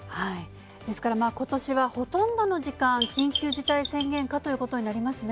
ですから、ことしはほとんどの時間、緊急事態宣言下ということになりますね。